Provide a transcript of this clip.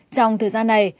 trong thời gian này